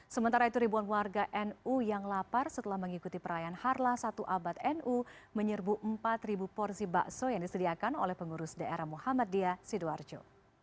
sementara itu ribuan warga nu yang lapar setelah mengikuti perayaan harlah satu abad nu menyerbu empat porsi bakso yang disediakan oleh pengurus daerah muhammadiyah sidoarjo